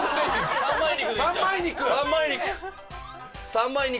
三枚肉？